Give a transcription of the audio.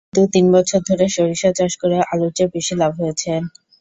কিন্তু তিন বছর ধরে সরিষা চাষ করে আলুর চেয়ে বেশি লাভ হয়েছেন।